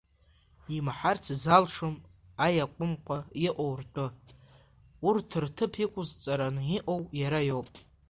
Имаҳарц залшом аиакәымқәа иҟоу ртәы, урҭ рҭыԥ иқәызҵараны иҟоу иара иоуп…